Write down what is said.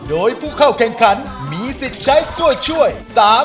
โดยผู้เข้าแข่งขันมีสิทธิ์ใช้ตัวช่วย๓ใน๖แผ่นป้าย